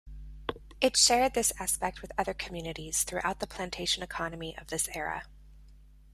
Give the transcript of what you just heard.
It shared this aspect with other communities throughout the plantation economy of this era.